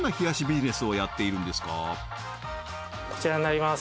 こちらになります